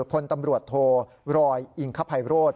คนตำรวจโทรอยหญิงขภัยโรศ